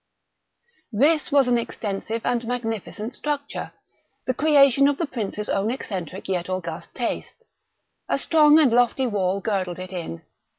This was an extensive and magnificent structure, the creation of the prince's own eccentric yet august taste. A strong and lofty wall girdled it in.